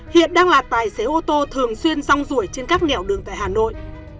hiện đang là tài xế ô tô thường xuyên song rủi trên các nghèo đường tại hà nội